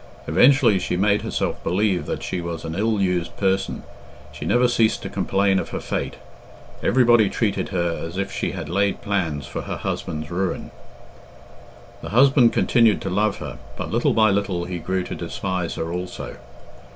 Eventually she made herself believe that she was an ill used person. She never ceased to complain of her fate. Everybody treated her as if she had laid plans for her husband's ruin. The husband continued to love her, but little by little he grew to despise her also.